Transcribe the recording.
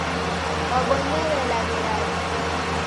Wabonyere laghelaghe.